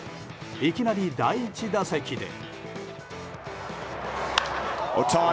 いきなり、第１打席で。